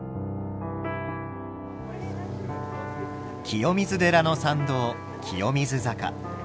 清水寺の参道清水坂。